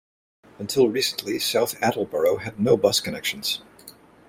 Until recently, South Attleboro had no bus connections.